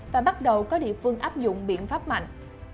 và bắt đầu có địa phương áp dụng biện pháp mạnh